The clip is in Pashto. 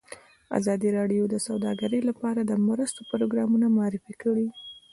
ازادي راډیو د سوداګري لپاره د مرستو پروګرامونه معرفي کړي.